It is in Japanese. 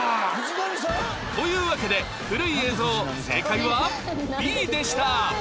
というわけで古い映像正解は Ｂ でした